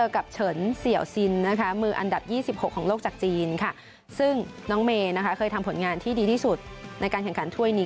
เคยทำผลงานที่ดีที่สุดในการแข่งขันถ้วยนี้